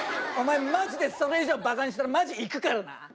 お前マジでそれ以上バカにしたらマジ行くからな。